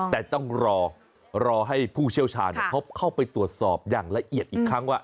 แต่ต้องรอรอให้ผู้เชี่ยวชาญเข้าไปตรวจสอบอย่างละเอียดอีกครั้งว่า